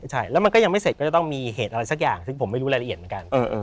ใช่แล้วมันก็ยังไม่เสร็จก็จะต้องมีเหตุอะไรสักอย่างซึ่งผมไม่รู้รายละเอียดเหมือนกัน